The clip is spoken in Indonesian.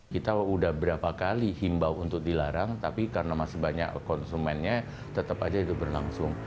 kita sudah berapa kali himbau untuk dilarang tapi karena masih banyak konsumennya tetap aja itu berlangsung